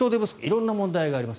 色んな問題があります。